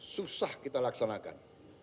susah kita laksanakan